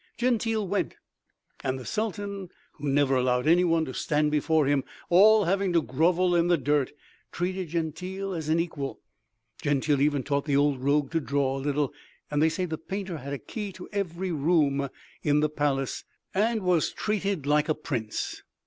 Gentile went, and the Sultan, who never allowed any one to stand before him, all having to grovel in the dirt, treated Gentile as an equal. Gentile even taught the old rogue to draw a little, and they say the painter had a key to every room in the palace, and was treated like a prince.